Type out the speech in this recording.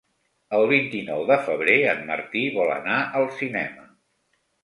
El vint-i-nou de febrer en Martí vol anar al cinema.